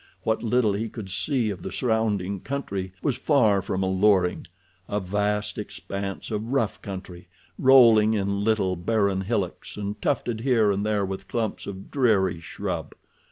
What little he could see of the surrounding country was far from alluring—a vast expanse of rough country, rolling in little, barren hillocks, and tufted here and there with clumps of dreary shrub.